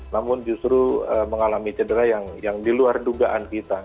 namun justru mengalami cedera yang diluar dugaan kita